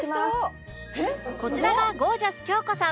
こちらがゴージャス京子さん